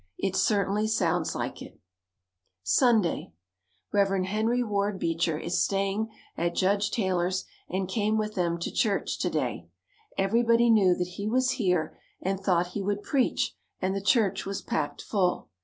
It certainly sounds like it. Sunday. Rev. Henry Ward Beecher is staying at Judge Taylor's and came with them to church to day. Everybody knew that he was here and thought he would preach and the church was packed full.